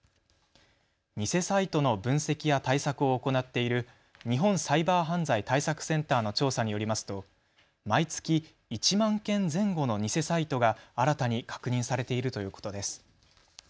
偽サイトの分析や対策を行っている日本サイバー犯罪対策センターの調査によりますと毎月１万件前後の偽サイトが新たに確認されているということです。